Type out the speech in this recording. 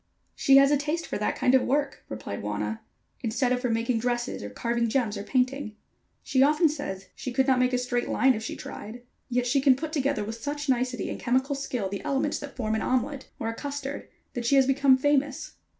"She has a taste for that kind of work," replied Wauna, "instead of for making dresses, or carving gems, or painting. She often says she could not make a straight line if she tried, yet she can put together with such nicety and chemical skill the elements that form an omelette or a custard, that she has become famous.